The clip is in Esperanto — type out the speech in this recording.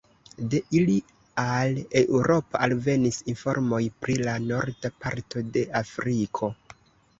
De ili al Eŭropo alvenis informoj pri la norda parto de Afriko.